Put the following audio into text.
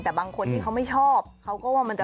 แต่บางคนที่เขาไม่ชอบเขาก็ว่ามันจะ